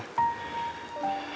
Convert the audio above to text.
bapak aku tin